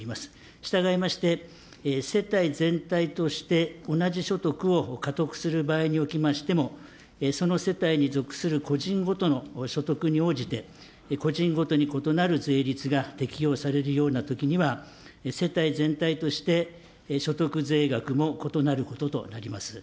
したがいまして、世帯全体として同じ所得をかとくする場合におきましても、その世帯に属する個人ごとの所得に応じて、個人ごとに異なる税率が適用されるようなときには、世帯全体として所得税額も異なることとなります。